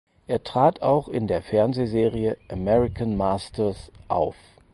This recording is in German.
Er trat auch in der Fernsehserie "American Masters" auf.